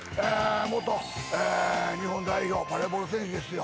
元日本代表バレーボール選手ですよ。